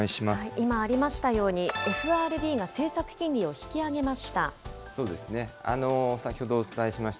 今ありましたように、ＦＲＢが政策金利を引き上げました。